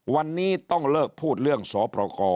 วันนี้ต้องเลิกพูดเรื่องสอประคอ